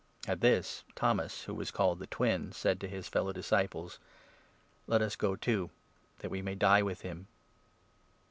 At this, Thomas, who was called 'The Twin,' said to his 16 fellow disciples :" Let us go too, so that we may die with him."